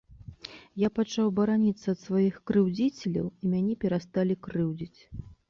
Я пачаў бараніцца ад сваіх крыўдзіцеляў, і мяне перасталі крыўдзіць.